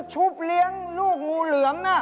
ชุบเลี้ยงลูกงูเหลือม